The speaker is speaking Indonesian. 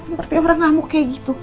seperti orang ngamuk kayak gitu